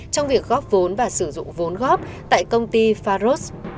trong việc góp vốn và sử dụng vốn góp tại công ty faros